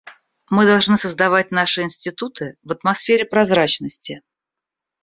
Мы должны создавать наши институты в атмосфере прозрачности.